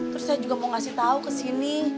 terus saya juga mau kasih tau kesini